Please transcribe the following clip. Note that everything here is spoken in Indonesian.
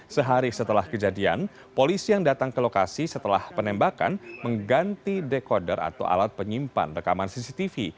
sehari setelah kejadian polisi yang datang ke lokasi setelah penembakan mengganti dekoder atau alat penyimpan rekaman cctv